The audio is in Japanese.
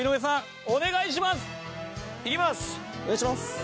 お願いします。